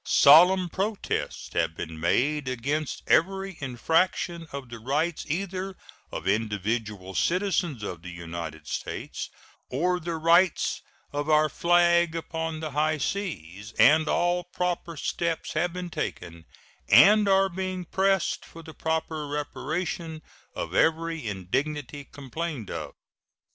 Solemn protests have been made against every infraction of the rights either of individual citizens of the United States or the rights of our flag upon the high seas, and all proper steps have been taken and are being pressed for the proper reparation of every indignity complained of.